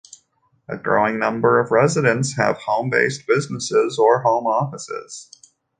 A growing number of residents have home-based businesses or home offices.